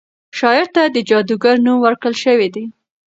شاعر ته د جادوګر نوم ورکړل شوی دی.